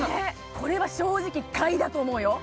これは正直買いだと思うよ